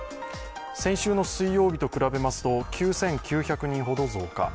先週の水曜日と比べますと９９００人ほど増加。